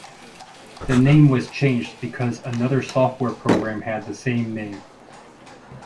The name was changed because another software program had the same name.